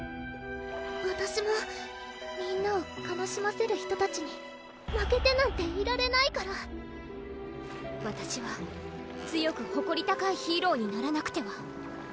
わたしもみんなを悲しませる人たちに負けてなんていられないからわたしは強くほこり高いヒーローにならなくては！